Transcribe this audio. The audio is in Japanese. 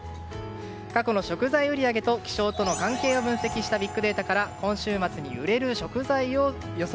過去の食材売り上げと気象との関係を分析したビッグデータから今週末に売れる食材を予想。